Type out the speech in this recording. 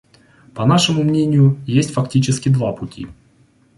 По нашему мнению, есть фактически два пути.